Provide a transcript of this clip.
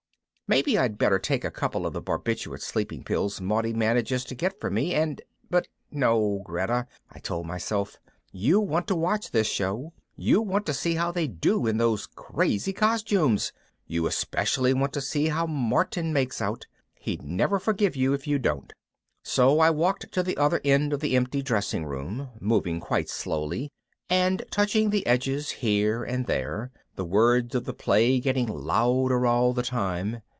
Maybe I'd better take a couple of the barbiturate sleeping pills Maudie manages to get for me and but No, Greta, I told myself, _you want to watch this show, you want to see how they do in those crazy costumes. You especially want to see how Martin makes out. He'd never forgive you if you didn't._ So I walked to the other end of the empty dressing room, moving quite slowly and touching the edges here and there, the words of the play getting louder all the time.